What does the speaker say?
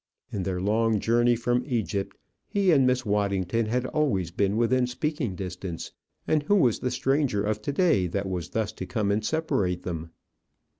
In their long journey from Egypt, he and Miss Waddington had always been within speaking distance; and who was the stranger of to day that was thus to come and separate them?